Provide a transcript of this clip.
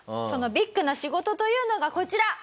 そのビッグな仕事というのがこちら！